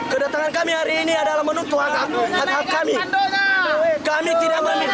kedatangan kami hari ini adalah menuntut hak hak kami